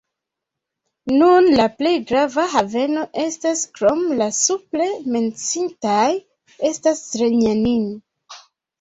Nun la plej grava haveno estas krom la supre menciitaj estas Zrenjanin.